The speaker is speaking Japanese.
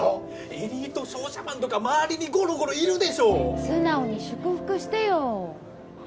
エリート商社マンとか周りにゴロゴロいる素直に祝福してよ